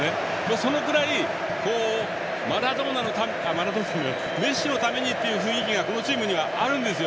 そのくらいメッシのためにという雰囲気がこのチームにはあるんですよ。